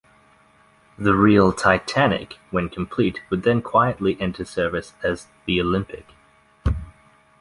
The real "Titanic" when complete would then quietly enter service as the "Olympic".